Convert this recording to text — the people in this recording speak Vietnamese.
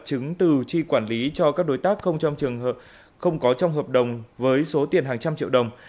chứng từ tri quản lý cho các đối tác không có trong hợp đồng với số tiền hàng trăm triệu đồng